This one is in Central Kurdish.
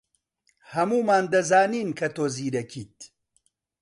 ھەموومان دەزانین کە تۆ زیرەکیت.